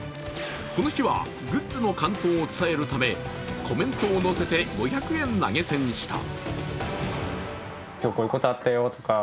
この日はグッズの感想を伝えるためコメントを乗せて５００円投げ銭した。